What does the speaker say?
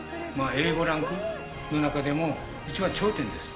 Ａ５ランクの中でも、一番頂点です。